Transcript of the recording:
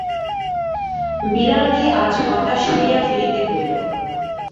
বিড়ালকে আজ হতাশ হইয়া ফিরিতে হইল।